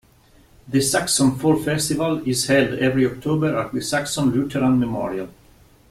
The Saxon Fall Festival is held every October at the Saxon Lutheran Memorial.